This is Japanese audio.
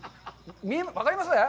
分かります？